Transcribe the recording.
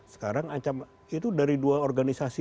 sekarang ancaman itu dari dua organisasi